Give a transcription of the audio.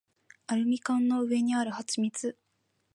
アルミ缶の上にある蜜柑